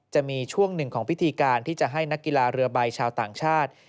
จะมีช่วงหนึ่งของพิธีการที่จะให้นักกีฬาเรือใบชาวต่างชาติ